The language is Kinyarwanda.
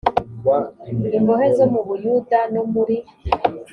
imbohe zo mu buyuda no muri